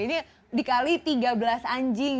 ini dikali tiga belas anjing